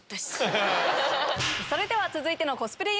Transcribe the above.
それでは続いてのコスプレ